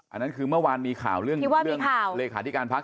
อันนั้นคือเมื่อวานมีข่าวเรื่องว่ามีข่าว